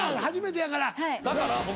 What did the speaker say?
初めてやから。